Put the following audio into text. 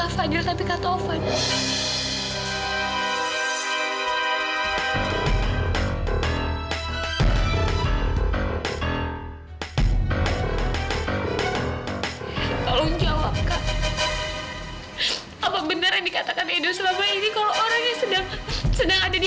fadil renaudi akan selalu mencintai kamila regina putri